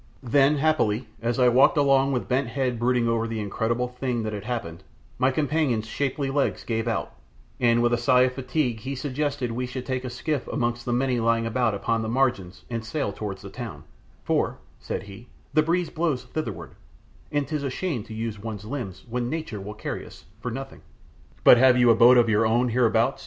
Then happily, as I walked along with bent head brooding over the incredible thing that had happened, my companion's shapely legs gave out, and with a sigh of fatigue he suggested we should take a skiff amongst the many lying about upon the margins and sail towards the town, "For," said he, "the breeze blows thitherward, and 'tis a shame to use one's limbs when Nature will carry us for nothing!" "But have you a boat of your own hereabouts?"